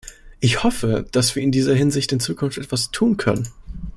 Ich hoffe, dass wir in dieser Hinsicht in Zukunft etwas tun können.